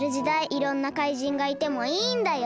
いろんな怪人がいてもいいんだよ。